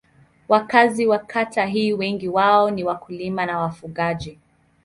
Wakazi wa kata hii wengi wao ni wakulima na wafugaji.